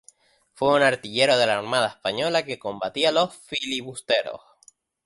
Fue un artillero de la Armada Española que combatía a los filibusteros.